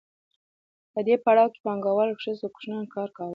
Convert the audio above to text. په دې پړاو کې پانګوالو په ښځو او کوچنیانو کار کاوه